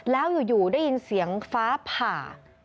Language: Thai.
แล้วอยู่ได้ยินเสียงฟ้าผ่า